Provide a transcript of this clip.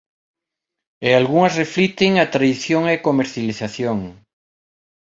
E algunhas reflicten a tradición e a comercialización.